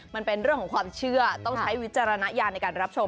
มันเป็นเรื่องของความเชื่อต้องใช้วิจารณญาณในการรับชม